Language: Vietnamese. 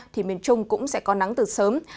thì miền trung cũng sẽ có nắng từ sớm